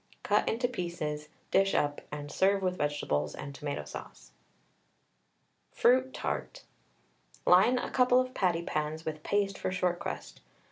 Cut into pieces, dish up, and serve with vegetables and tomato sauce. FRUIT TART. Line a couple of patty pans with paste for short crust.